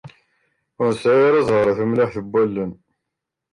Ur nesɛi ara ẓẓher a tumliḥt n wallen.